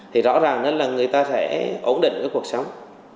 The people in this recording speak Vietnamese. thì rõ ràng là người ta sẽ ổn định cái cuộc sống